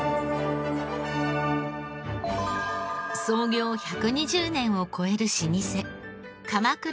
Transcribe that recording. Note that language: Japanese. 創業１２０年を超える老舗鎌倉